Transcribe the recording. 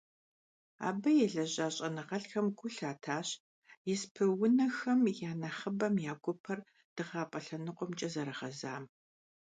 Абы елэжьа щIэныгъэлIхэм гу лъатащ испы унэхэм я нэхъыбэм я гупэр дыгъапIэ лъэныкъуэмкIэ зэрыгъэзам.